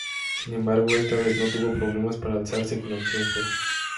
Sin embargo esta vez no tuvo problemas para alzarse con el triunfo.